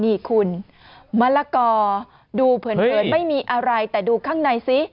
นี่คุณมะละกอดูเผินไม่มีอะไรแต่ดูข้างในซิ